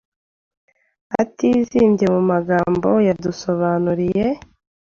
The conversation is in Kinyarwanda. atizimbye mu magambo yadusobanuriye